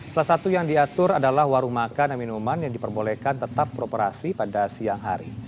salah satu yang diatur adalah warung makan dan minuman yang diperbolehkan tetap beroperasi pada siang hari